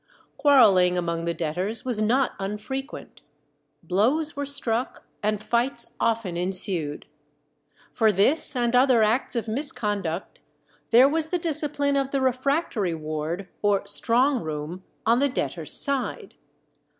Quarrelling among the debtors was not unfrequent. Blows were struck, and fights often ensued. For this and other acts of misconduct there was the discipline of the refractory ward, or "strong room" on the debtors' side.